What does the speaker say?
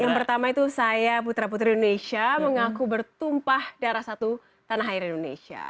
yang pertama itu saya putra putri indonesia mengaku bertumpah darah satu tanah air indonesia